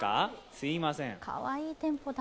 すみません。